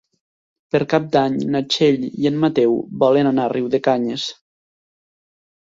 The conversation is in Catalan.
Per Cap d'Any na Txell i en Mateu volen anar a Riudecanyes.